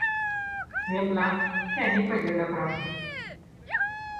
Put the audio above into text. เว็บละ แค่นี้ก็เยอะแล้วครับ